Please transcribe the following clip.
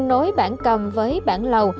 nối bản cầm với bản lầu